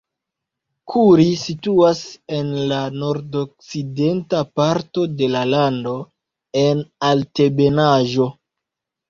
Kuri situas en la nordokcidenta parto de la lando en altebenaĵo.